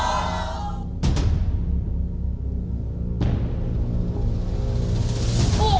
โทษ